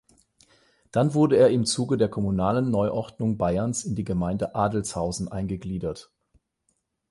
Dann wurde er im Zuge der kommunalen Neuordnung Bayerns in die Gemeinde Adelzhausen eingegliedert.